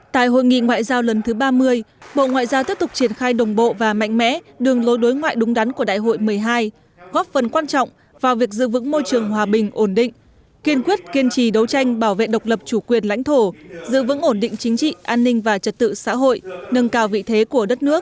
tại hội nghị ngoại giao lần thứ ba mươi bộ ngoại giao tiếp tục triển khai đồng bộ và mạnh mẽ đường lối đối ngoại đúng đắn của đại hội một mươi hai góp phần quan trọng vào việc giữ vững môi trường hòa bình ổn định kiên quyết kiên trì đấu tranh bảo vệ độc lập chủ quyền lãnh thổ giữ vững ổn định chính trị an ninh và trật tự xã hội nâng cao vị thế của đất nước